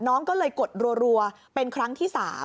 น้องก็เลยกดรัวเป็นครั้งที่๓